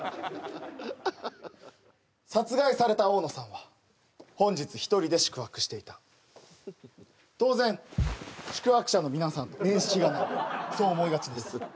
殺害されたオオノさんは本日１人で宿泊していた当然宿泊者の皆さんと面識がないそう思いがちです